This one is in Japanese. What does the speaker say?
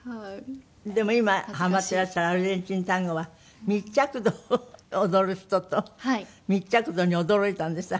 でも今ハマっていらっしゃるアルゼンチンタンゴは密着度踊る人と密着度に驚いたんですって？